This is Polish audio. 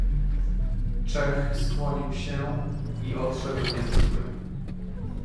"Czech skłonił się i odszedł nieco zły."